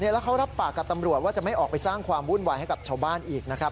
แล้วเขารับปากกับตำรวจว่าจะไม่ออกไปสร้างความวุ่นวายให้กับชาวบ้านอีกนะครับ